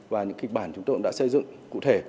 và những kịch bản chúng tôi cũng đã xây dựng cụ thể